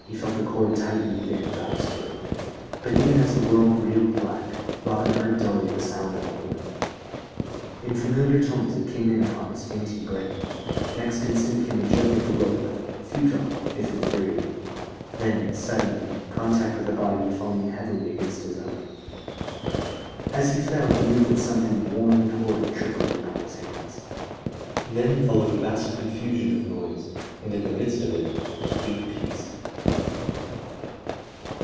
He felt the cord tighten again about his throat, but even as the world reeled black, Robin heard dully the sound of a horn. In familiar tones it came in upon his fainting brain. Next instant came a jerk at the rope, futile, if infuriated; then, suddenly, contact with a body falling heavily against his own. As he fell he knew that something warm and horrid trickled upon his hands. Then followed a vast confusion of noise: and, in the midst of it, sweet peace.